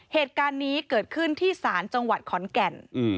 เหตุการณ์นี้เกิดขึ้นที่ศาลจังหวัดขอนแก่น